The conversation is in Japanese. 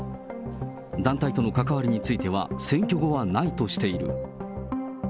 団体との関わりについては、選挙後はないとしている。